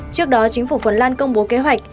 trước đó chính phủ phần lan công bố kế hoạch